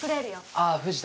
ああ藤田